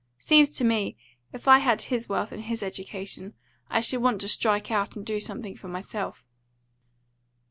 Seems to me, if I had his health and his education, I should want to strike out and do something for myself."